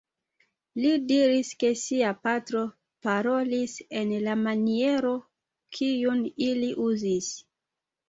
Li diris ke sia patro parolis en la maniero kiun ili uzis.